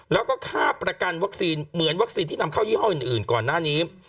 แล้วก็ค่าประกันวัคซีนเหมือนวัคซีนที่นำเข้ายี่ห้ออื่นก่อนหน้านี้